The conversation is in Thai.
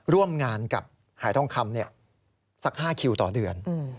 ร่วมงานกับหายทองคำสัก๕คิวต่อเดือน